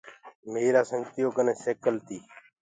ميرآ دوستو ڪني سيڪل تي۔